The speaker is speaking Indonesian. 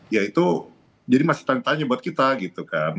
ya itu jadi masih tanda tanya buat kita gitu kan